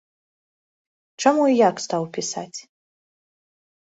Чаму і як стаў пісаць?